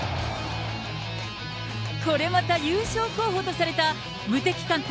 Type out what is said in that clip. これまた優勝候補とされた無敵艦隊